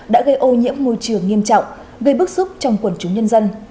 đã gây ô nhiễm môi trường nghiêm trọng gây bức xúc trong quần chúng nhân dân